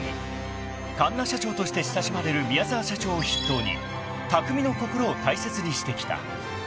［かんな社長として親しまれる宮沢社長を筆頭に匠の心を大切にしてきた］